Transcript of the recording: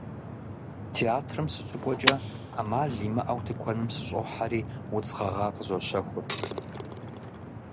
Театрым сыщыкӏуэкӏэ ӏэмал имыӏэу тыкуэным сыщӏохьэри, удз гъэгъа къызощэхур.